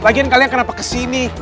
lagian kalian kenapa kesini